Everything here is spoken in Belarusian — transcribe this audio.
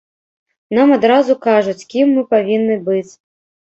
Нам адразу кажуць, кім мы павінны быць.